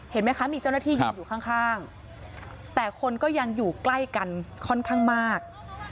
เห็นไหมคะมีเจ้าหน้าที่ยืนอยู่ข้างแต่คนก็ยังอยู่ใกล้กันค่อนข้างมาก